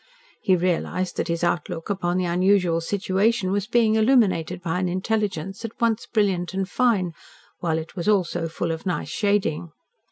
He realised that his outlook upon the unusual situation was being illuminated by an intelligence at once brilliant and fine, while it was also full of nice shading.